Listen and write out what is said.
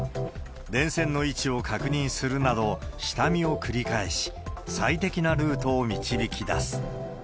電線の位置を確認するなど、下見を繰り返し、最適なルートを導き出す。